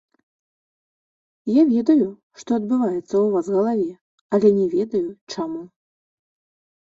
Я ведаю, што адбываецца ў вас у галаве, але не ведаю, чаму.